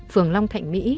phường long thạnh mỹ